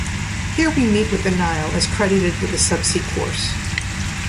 Here we meet with the Nile as credited with a subsea course.